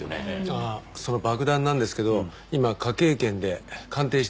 ああその爆弾なんですけど今科警研で鑑定してもらってるそうです。